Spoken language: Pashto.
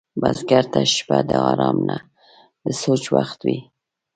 بزګر ته شپه د آرام نه، د سوچ وخت وي